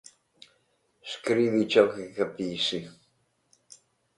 Walter Maurer